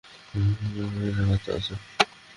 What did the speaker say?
এখানে অনেক নারী আর বাচ্চারা আছে।